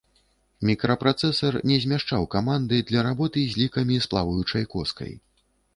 Мікрапрацэсар не змяшчаў каманды для работы з лікамі з плаваючай коскай.